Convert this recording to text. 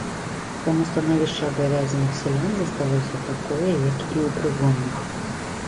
Таму становішча абавязаных сялян засталося такое, як і ў прыгонных.